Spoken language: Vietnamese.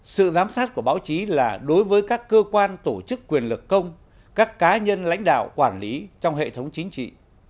sự giám sát của báo chí là đối với các cơ quan tổ chức quyền lực công các cá nhân lãnh đạo quản lý trong hệ thống chính trị